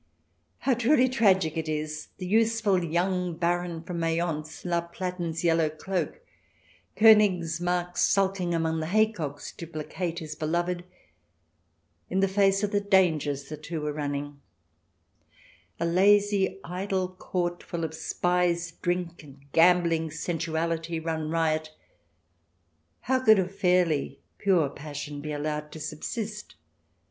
How truly tragic it all is — the useful "young baron from Mayence," La Platen's yellow cloak, KOnigsmarck sulking among the haycocks to placate CH. xvii] QUEENS DISCROWNED 231 his beloved, in the face of the dangers the two were running 1 A lazy, idle Court, full of spies, drink, gambling, sensuality run riot — how could a fairly pure passion be allowed to subsist?